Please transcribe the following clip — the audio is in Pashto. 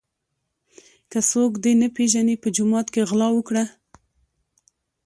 که څوک دي نه پیژني په جومات کي غلا وکړه.